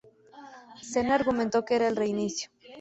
Senna argumentó que era el reinicio.